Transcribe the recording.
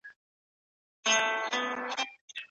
کمزوري نه یو په ښکاره نارې وهو چښو یې